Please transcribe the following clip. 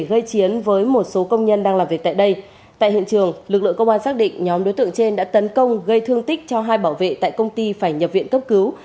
tại hiện trường lực lượng công an xác định nhóm đối tượng trên đã tấn công gây thương tích cho hai bảo vệ tại công ty phải nhập viện cấp cứu